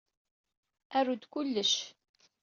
Aru-d kullec.